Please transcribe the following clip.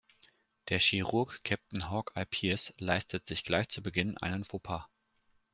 Der Chirurg Captain „Hawkeye“ Pierce leistet sich gleich zu Beginn einen Fauxpas.